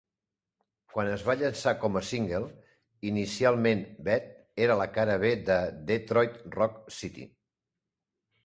Quan es va llançar com a single, inicialment "Beth" era la cara B de "Detroit Rock City".